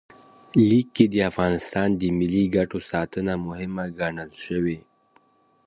لیک کې د افغانستان د ملي ګټو ساتنه مهمه ګڼل شوې.